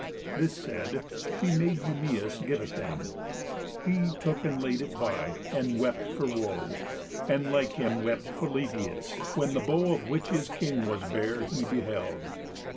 This said, she made Eumæus give it them. He took and laid it by, and wept for woe; And like him wept Philœtius, when the bow Of which his king was bearer he beheld.